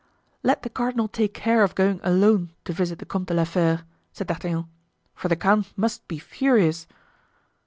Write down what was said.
"Let the cardinal take care of going alone to visit the Comte de la Fere," said D'Artagnan; "for the count must be furious."